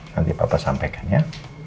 nanti papa sampaikan ya